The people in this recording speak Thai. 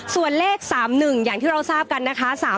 ส่วนเลข๓๑อย่างที่เราทราบกันนะคะ